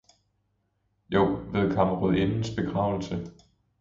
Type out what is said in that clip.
- Jo, ved kammerrådindens begravelse.